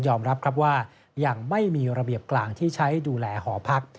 รับครับว่ายังไม่มีระเบียบกลางที่ใช้ดูแลหอพัก